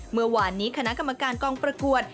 เมื่อวานนี้คณะกรรมการกองประกวด